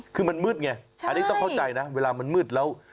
คือมันมืดไงอันนี้ต้องเข้าใจนะเวลามันมืดแล้ว